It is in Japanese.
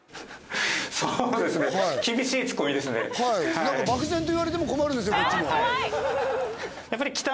なんか漠然と言われても困るんですよこっちも。